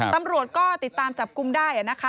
ตำรวจก็ติดตามจับกุมได้